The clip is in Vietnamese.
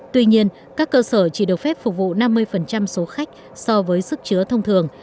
tuy nhiên các cơ sở chỉ được phép phục vụ năm mươi số khách so với sức chứa thông thường